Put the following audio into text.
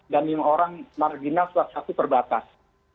dan marginal salah satu terbatas